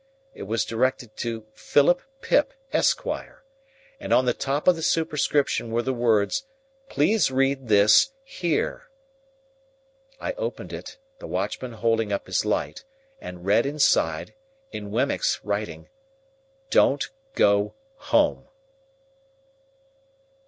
It was directed to Philip Pip, Esquire, and on the top of the superscription were the words, "PLEASE READ THIS, HERE." I opened it, the watchman holding up his light, and read inside, in Wemmick's writing,— "DON'T GO HOME."